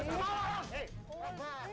tidak ada masalah tidak ada masalah